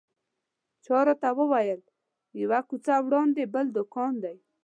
چا راته وویل یوه کوڅه وړاندې بل دوکان دی.